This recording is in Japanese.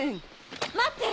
待って。